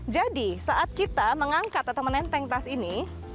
jadi saat kita mengangkat atau menenteng tas ini